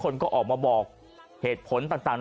ต้องบอกเหตุผลต่าง